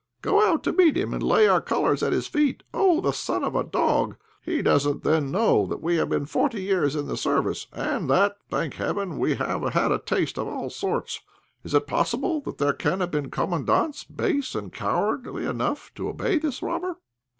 To go out to meet him and lay our colours at his feet! Oh! the son of a dog! He doesn't then know that we have been forty years in the service, and that, thank heaven, we have had a taste of all sorts! Is it possible that there can have been commandants base and cowardly enough to obey this robber?"